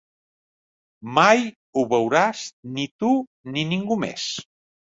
Mai ho veuràs ni tu ni ningú més.